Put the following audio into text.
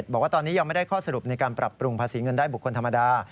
บอกว่าตอนนี้ยังไม่ได้ข้อสรุปในการปรับปรุงภาษีเงินได้บุคคลธรรมดา